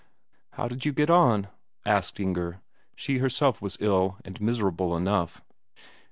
"How did you get on?" asked Inger. She herself was ill and miserable enough.